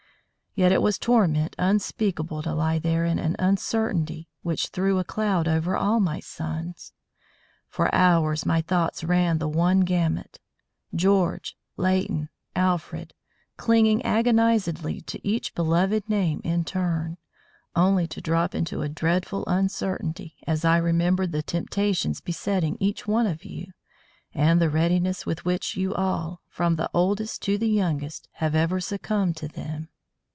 Yet it was torment unspeakable to lie there in an uncertainty which threw a cloud over all my sons. For hours my thoughts ran the one gamut, George, Leighton, Alfred, clinging agonisedly to each beloved name in turn, only to drop into a dreadful uncertainty as I remembered the temptations besetting each one of you, and the readiness with which you all, from the oldest to the youngest, have ever succumbed to them.